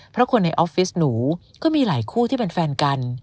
เพราะคนในออฟฟิศหนูก็มีหลายคู่ที่เป็นแฟนกัน